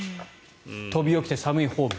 飛び起きて、寒いホーム。